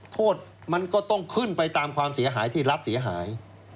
โทษมันก็ต้องขึ้นไปตามความเสียหายที่รัฐเสียหาย